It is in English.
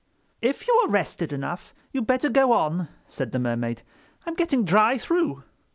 "If you are rested enough you'd better go on," said the Mermaid. "I'm getting dry through."